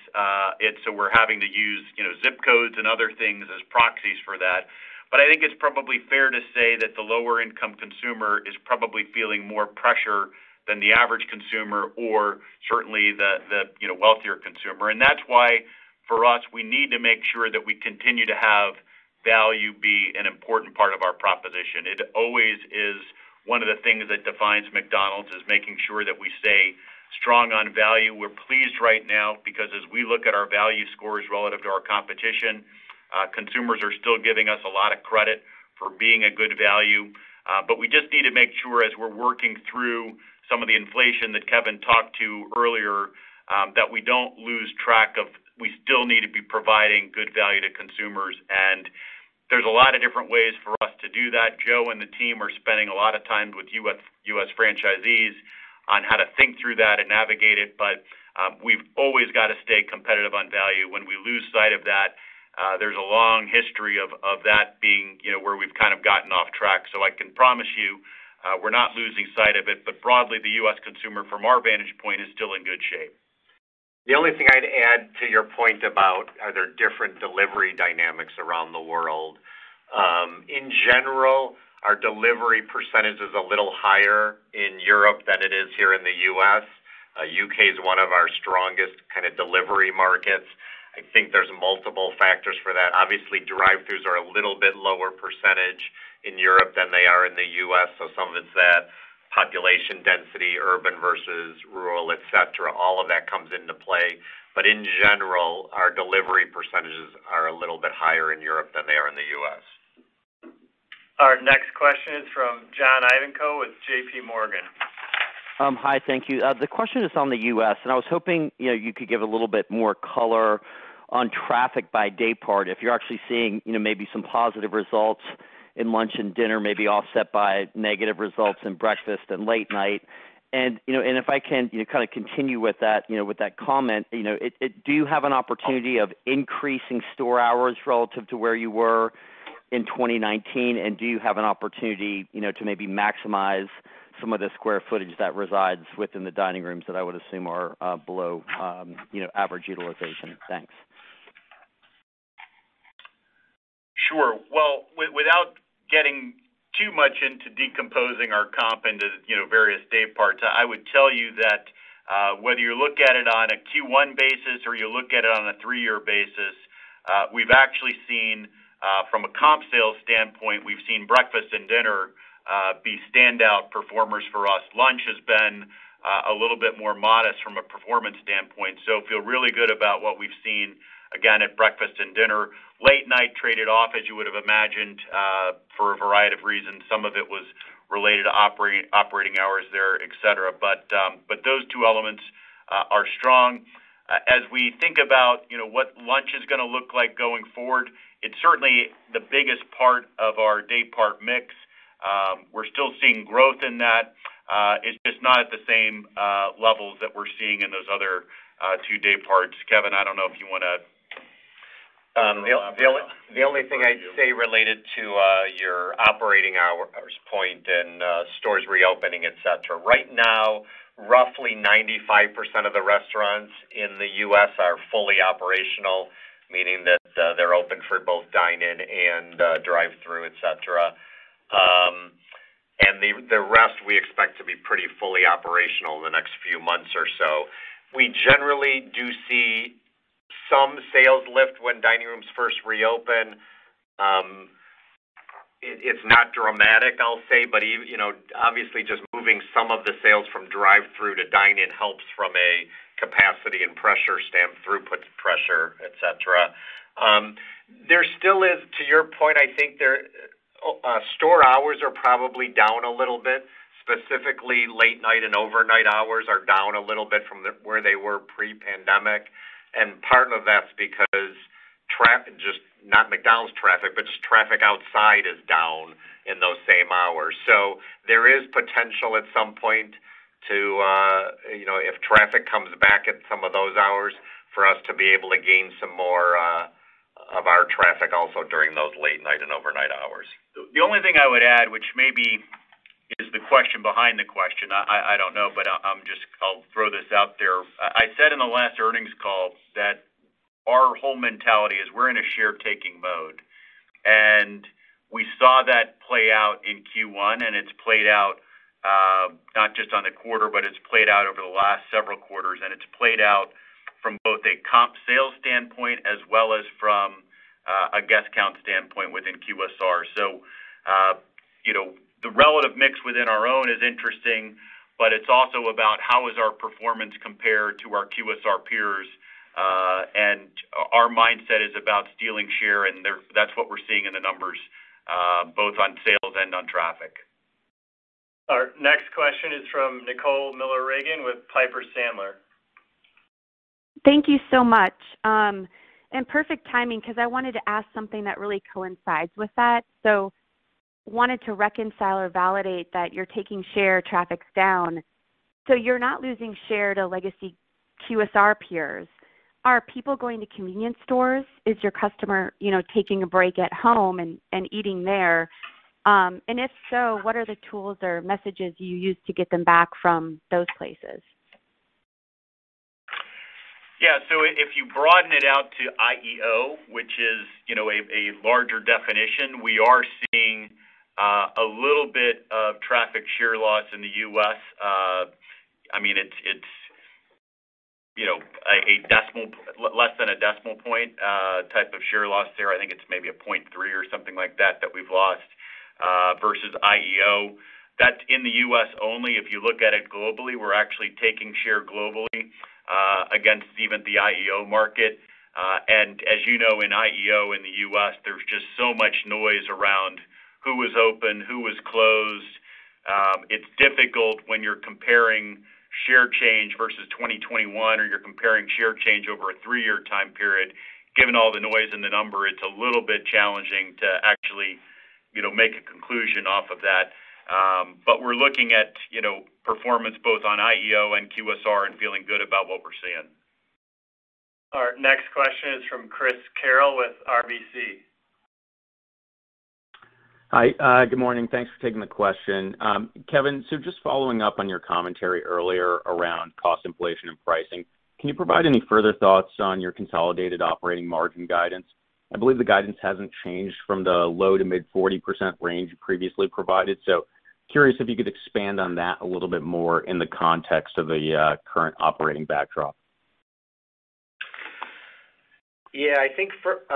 it, so we're having to use, you know, zip codes and other things as proxies for that. I think it's probably fair to say that the lower income consumer is probably feeling more pressure than the average consumer or certainly the you know, wealthier consumer. That's why for us, we need to make sure that we continue to have value be an important part of our proposition. It always is one of the things that defines McDonald's, is making sure that we stay strong on value. We're pleased right now because as we look at our value scores relative to our competition, consumers are still giving us a lot of credit for being a good value. We just need to make sure as we're working through some of the inflation that Kevin talked to earlier, that we don't lose track of we still need to be providing good value to consumers. There's a lot of different ways for us to do that. Joe and the team are spending a lot of time with U.S. franchisees on how to think through that and navigate it. We've always gotta stay competitive on value. When we lose sight of that, there's a long history of that being, you know, where we've kind of gotten off track. I can promise you, we're not losing sight of it. Broadly, the U.S. consumer from our vantage point is still in good shape. The only thing I'd add to your point about are there different delivery dynamics around the world. In general, our delivery percentage is a little higher in Europe than it is here in the U.S. U.K. is one of our strongest kinda delivery markets. I think there's multiple factors for that. Obviously, drive-thrus are a little bit lower percentage in Europe than they are in the U.S. Some of it's that population density, urban versus rural, et cetera. All of that comes into play. In general, our delivery percentages are a little bit higher in Europe than they are in the U.S. Our next question is from John Ivankoe with JPMorgan. Hi, thank you. The question is on the U.S., and I was hoping, you know, you could give a little bit more color on traffic by day part, if you're actually seeing maybe some positive results in lunch and dinner, maybe offset by negative results in breakfast and late night. You know, if I can kinda continue with that, you know, with that comment. You know, it. Do you have an opportunity of increasing store hours relative to where you were in 2019? Do you have an opportunity, you know, to maybe maximize some of the square footage that resides within the dining rooms that I would assume are below, you know, average utilization? Thanks. Sure. Well, without getting too much into decomposing our comp into, you know, various day parts, I would tell you that, whether you look at it on a Q1 basis or you look at it on a three-year basis, we've actually seen, from a comp sales standpoint, we've seen breakfast and dinner be standout performers for us. Lunch has been a little bit more modest from a performance standpoint, so feel really good about what we've seen, again, at breakfast and dinner. Late night traded off, as you would have imagined, for a variety of reasons. Some of it was related to operating hours there, et cetera. Those two elements are strong. As we think about, you know, what lunch is gonna look like going forward, it's certainly the biggest part of our day part mix. We're still seeing growth in that. It's just not at the same levels that we're seeing in those other two day parts. Kevin, I don't know if you wanna- The only thing I'd say related to your operating hours point and stores reopening, et cetera. Right now, roughly 95% of the restaurants in the U.S. are fully operational, meaning that they're open for both dine-in and drive-thru, et cetera. The rest we expect to be pretty fully operational in the next few months or so. We generally do see some sales lift when dining rooms first reopen. It's not dramatic, I'll say, but you know, obviously just moving some of the sales from drive-thru to dine-in helps from a capacity and pressure throughput pressure, et cetera. There still is, to your point, I think there. Store hours are probably down a little bit. Specifically, late night and overnight hours are down a little bit from where they were pre-pandemic. Part of that's because just not McDonald's traffic, but just traffic outside is down in those same hours. There is potential at some point to, you know, if traffic comes back at some of those hours, for us to be able to gain some more, of our traffic also during those late night and overnight hours. The only thing I would add, which maybe is the question behind the question. I don't know, but I'm just. I'll throw this out there. I said in the last earnings call that our whole mentality is we're in a share taking mode. We saw that play out in Q1, and it's played out, not just on the quarter, but it's played out over the last several quarters, and it's played out from both a comp sales standpoint as well as from a guest count standpoint within QSR. You know, the relative mix within our own is interesting, but it's also about how is our performance compared to our QSR peers. Our mindset is about stealing share, and that's what we're seeing in the numbers, both on sales and on traffic. Our next question is from Nicole Miller Regan with Piper Sandler. Thank you so much. Perfect timing because I wanted to ask something that really coincides with that. Wanted to reconcile or validate that you're taking share traffic down. You're not losing share to legacy QSR peers. Are people going to convenience stores? Is your customer taking a break at home and eating there? If so, what are the tools or messages you use to get them back from those places? Yeah. If you broaden it out to IEO, which is, you know, a larger definition, we are seeing a little bit of traffic share loss in the U.S. I mean, it's you know a decimal less than a decimal point type of share loss there. I think it's maybe 0.3 or something like that that we've lost versus IEO. That's in the U.S. only. If you look at it globally, we're actually taking share globally against even the IEO market. As you know, in IEO in the U.S., there's just so much noise around who was open, who was closed. It's difficult when you're comparing share change versus 2021 or you're comparing share change over a three-year time period. Given all the noise in the number, it's a little bit challenging to actually, you know, make a conclusion off of that. We're looking at, you know, performance both on IEO and QSR and feeling good about what we're seeing. Our next question is from Chris Carril with RBC. Hi. Good morning. Thanks for taking the question. Kevin, just following up on your commentary earlier around cost inflation and pricing, can you provide any further thoughts on your consolidated operating margin guidance? I believe the guidance hasn't changed from the low- to mid-40% range previously provided. Curious if you could expand on that a little bit more in the context of the current operating backdrop. Yeah. I think for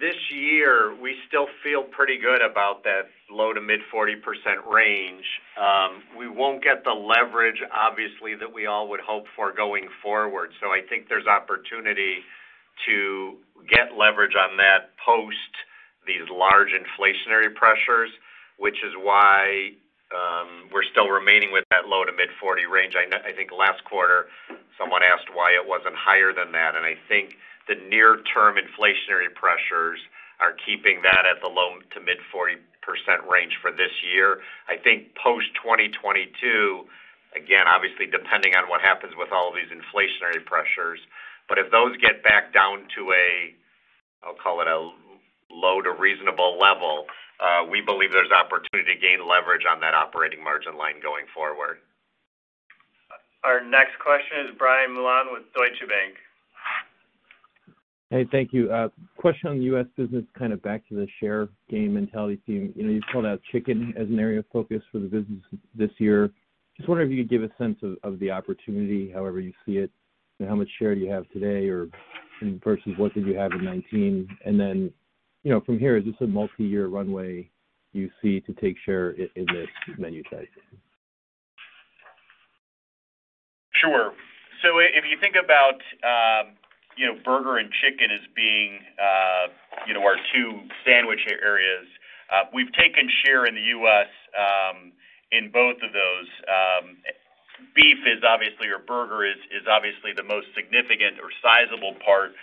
this year, we still feel pretty good about that low- to mid-40% range. We won't get the leverage, obviously, that we all would hope for going forward. I think there's opportunity to get leverage on that post these large inflationary pressures, which is why we're still remaining with that low- to mid-40 range. I know, I think last quarter, someone asked why it wasn't higher than that, and I think the near term inflationary pressures are keeping that at the low- to mid-40% range for this year. I think post 2022, again, obviously, depending on what happens with all these inflationary pressures. But if those get back down to a, I'll call it a low to reasonable level, we believe there's opportunity to gain leverage on that operating margin line going forward. Our next question is Brian Mullan with Deutsche Bank. Hey, thank you. Question on the U.S. business, kinda back to the share gain intel you're seeing. You know, you called out chicken as an area of focus for the business this year. Just wondering if you could give a sense of the opportunity however you see it, and how much share you have today or versus what did you have in 2019. Then, you know, from here, is this a multiyear runway you see to take share in this menu type? Sure. If you think about, you know, burger and chicken as being, you know, our two sandwich areas, we've taken share in the U.S. in both of those. Beef is obviously, or burger is, obviously the most significant or sizable part of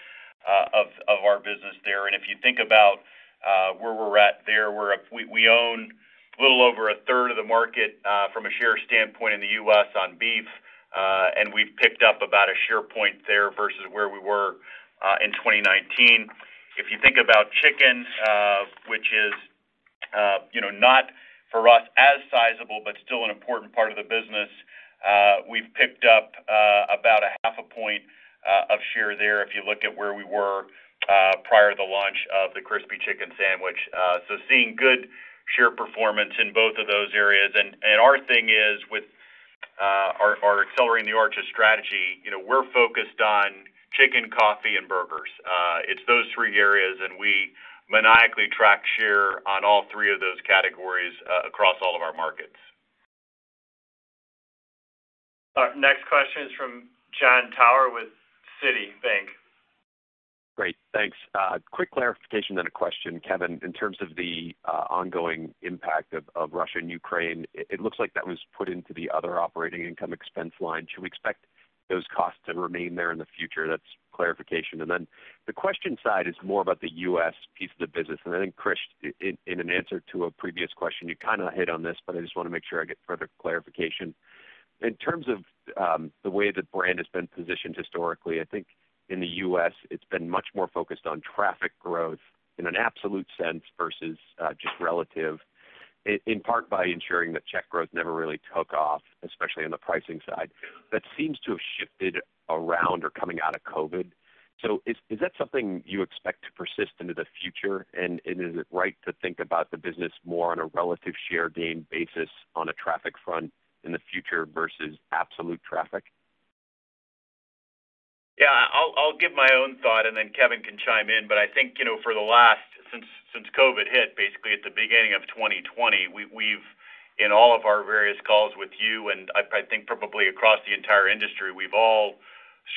our business there. If you think about where we're at, we own a little over a third of the market from a share standpoint in the U.S. on beef, and we've picked up about a share point there versus where we were in 2019. If you think about chicken, which is, you know, not for us as sizable but still an important part of the business, we've picked up about a half a point of share there if you look at where we were prior to the launch of the Crispy Chicken Sandwich. Seeing good share performance in both of those areas. Our thing is with our Accelerating the Arches strategy, you know, we're focused on chicken, coffee, and burgers. It's those three areas, and we maniacally track share on all three of those categories across all of our markets. Our next question is from Jon Tower with Citi. Great. Thanks. Quick clarification, then a question. Kevin, in terms of the ongoing impact of Russia and Ukraine, it looks like that was put into the other operating income expense line. Should we expect those costs to remain there in the future? That's clarification. Then the question side is more about the U.S. piece of the business. I think, Chris, in an answer to a previous question, you kinda hit on this, but I just wanna make sure I get further clarification. In terms of the way the brand has been positioned historically, I think in the U.S. it's been much more focused on traffic growth in an absolute sense versus just relative in part by ensuring that check growth never really took off, especially on the pricing side. That seems to have shifted around or coming out of COVID. Is that something you expect to persist into the future? Is it right to think about the business more on a relative share gain basis on a traffic front in the future versus absolute traffic? Yeah. I'll give my own thought and then Kevin can chime in. I think, you know, for the last since COVID hit, basically at the beginning of 2020, we've, in all of our various calls with you and I think probably across the entire industry, we've all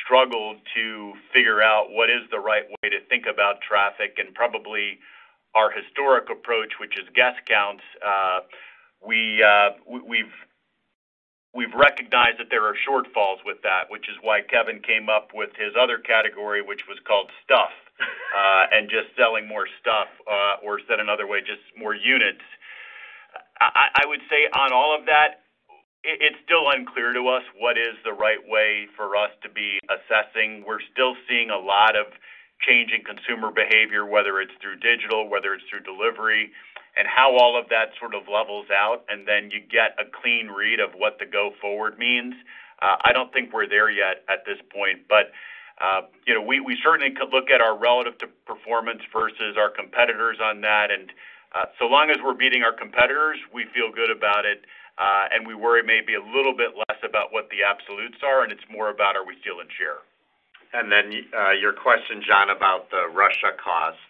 struggled to figure out what is the right way to think about traffic. Probably our historic approach, which is guest counts, we've recognized that there are shortfalls with that, which is why Kevin came up with his other category, which was called stuff, and just selling more stuff, or said another way, just more units. I would say on all of that, it's still unclear to us what is the right way for us to be assessing. We're still seeing a lot of change in consumer behavior, whether it's through digital, whether it's through delivery, and how all of that sort of levels out, and then you get a clean read of what the going forward means. I don't think we're there yet at this point. You know, we certainly could look at our relative performance versus our competitors on that. So long as we're beating our competitors, we feel good about it, and we worry maybe a little bit less about what the absolutes are, and it's more about are we stealing share? Your question, John, about the Russia costs.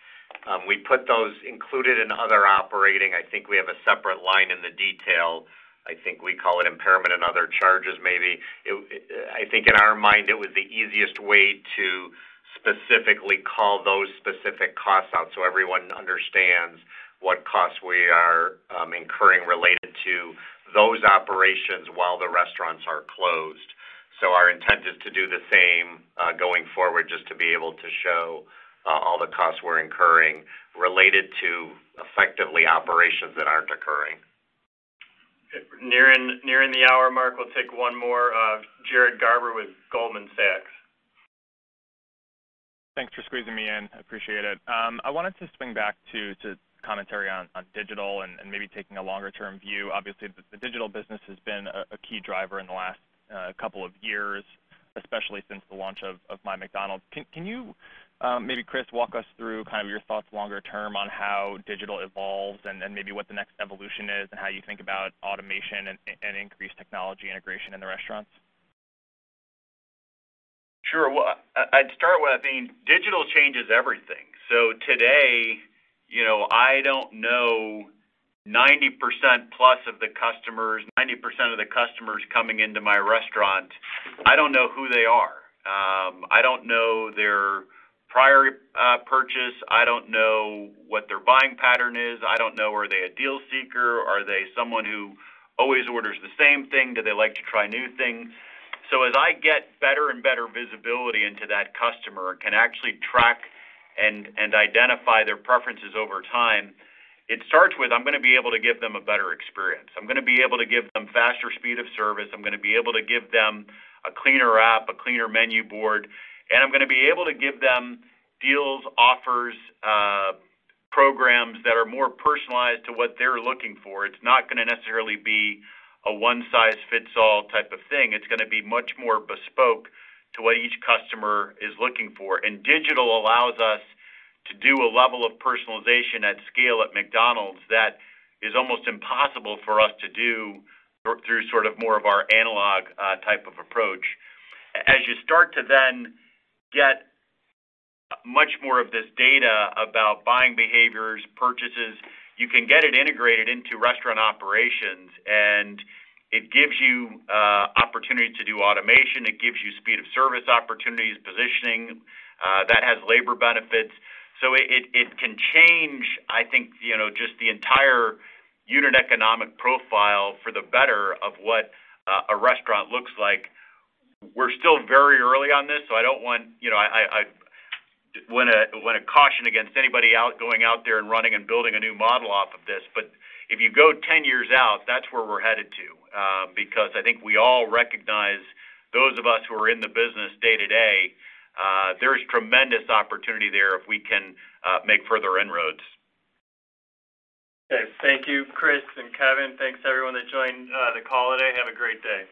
We put those included in other operating. I think we have a separate line in the detail. I think we call it impairment and other charges maybe. I think in our mind, it was the easiest way to specifically call those specific costs out so everyone understands what costs we are incurring related to those operations while the restaurants are closed. Our intent is to do the same, going forward just to be able to show all the costs we're incurring related to effectively operations that aren't occurring. Nearing the hour mark. We'll take one more. Jared Garber with Goldman Sachs. Thanks for squeezing me in. I appreciate it. I wanted to swing back to commentary on digital and maybe taking a longer term view. Obviously, the digital business has been a key driver in the last couple of years, especially since the launch of My McDonald's. Can you maybe Chris walk us through kind of your thoughts longer term on how digital evolves and maybe what the next evolution is and how you think about automation and increased technology integration in the restaurants? Sure. Well, I'd start with, I mean, digital changes everything. Today, you know, I don't know 90% plus of the customers coming into my restaurant, I don't know who they are. I don't know their prior purchase. I don't know what their buying pattern is. I don't know, are they a deal seeker? Are they someone who always orders the same thing? Do they like to try new things? As I get better and better visibility into that customer, can actually track and identify their preferences over time, it starts with, I'm gonna be able to give them a better experience. I'm gonna be able to give them faster speed of service. I'm gonna be able to give them a cleaner app, a cleaner menu board, and I'm gonna be able to give them deals, offers, programs that are more personalized to what they're looking for. It's not gonna necessarily be a one size fits all type of thing. It's gonna be much more bespoke to what each customer is looking for. Digital allows us to do a level of personalization at scale at McDonald's that is almost impossible for us to do through sort of more of our analog type of approach. As you start to then get much more of this data about buying behaviors, purchases, you can get it integrated into restaurant operations, and it gives you opportunity to do automation. It gives you speed of service opportunities, positioning that has labor benefits. It can change, I think, you know, just the entire unit economic profile for the better of what a restaurant looks like. We're still very early on this, so I don't want. You know, I wanna caution against anybody going out there and running and building a new model off of this. If you go 10 years out, that's where we're headed to, because I think we all recognize those of us who are in the business day-to-day, there is tremendous opportunity there if we can make further inroads. Okay. Thank you, Chris and Kevin. Thanks everyone that joined, the call today. Have a great day.